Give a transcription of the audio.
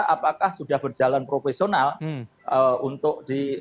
apakah sudah berjalan profesional untuk di